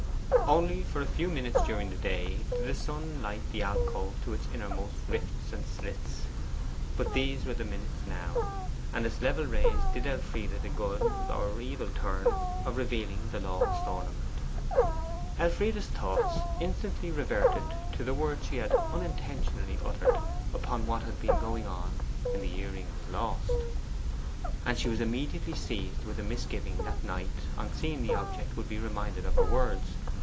Only for a few minutes during the day did the sun light the alcove to its innermost rifts and slits, but these were the minutes now, and its level rays did Elfride the good or evil turn of revealing the lost ornament. Elfride's thoughts instantly reverted to the words she had unintentionally uttered upon what had been going on when the earring was lost. And she was immediately seized with a misgiving that Knight, on seeing the object, would be reminded of her words.